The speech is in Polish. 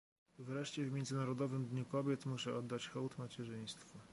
Wreszcie w Międzynarodowym Dniu Kobiet muszę oddać hołd macierzyństwu